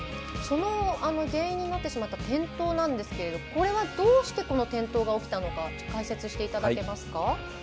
その原因になってしまった転倒なんですがこれは、どうして転倒が起きたのか解説していただけますか。